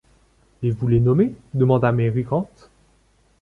Et vous les nommez ?… demanda Mary Grant.